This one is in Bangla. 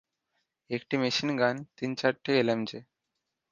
একটি মেশিনগান, তিন-চারটি এলএমজি।